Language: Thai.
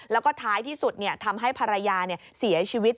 แล้วก็ท้ายที่สุดทำให้ภรรยาเสียชีวิต